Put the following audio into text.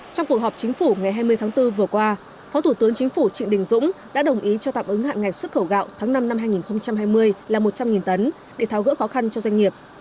trong cuộc họp chính phủ ngày hai mươi tháng bốn vừa qua phó thủ tướng chính phủ trịnh đình dũng đã đồng ý cho tạm ứng hạn ngạch xuất khẩu gạo tháng năm năm hai nghìn hai mươi là một trăm linh tấn để tháo gỡ khó khăn cho doanh nghiệp